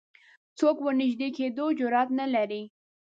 څوک ورنژدې کېدو جرئت نه لري